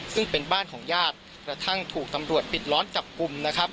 ซึ่งเป็นบ้านของญาติกระทั่งถูกตำรวจปิดล้อมจับกลุ่มนะครับ